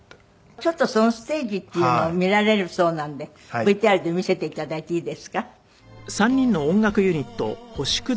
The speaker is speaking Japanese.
ちょっとそのステージっていうのを見られるそうなんでＶＴＲで見せて頂いていいですか？